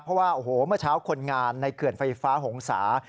เพราะว่าโอ้โหเมื่อเช้าคนงานในเขื่อนไฟฟ้าหงษา